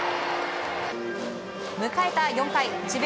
迎えた４回、智弁